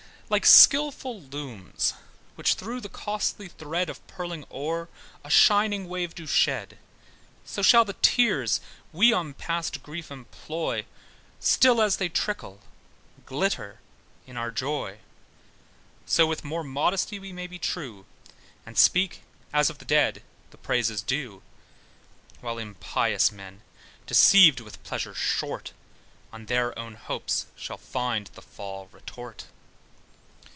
Like skilful looms, which through the costly thread Of purling ore, a shining wave do shed: So shall the tears we on past grief employ, Still as they trickle, glitter in our joy. So with more modesty we may be true, And speak, as of the dead, the praises due: While impious men deceived with pleasure short, On their own hopes shall find the fall retort.